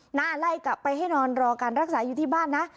หน้าไล่กลับไปให้นอนรอการรักษาอยู่ที่บ้านนะ